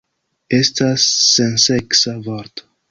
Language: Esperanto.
Estas senseksa vorto.